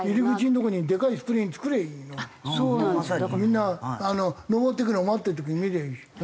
みんな登っていくのを待ってる時に見りゃいいでしょ。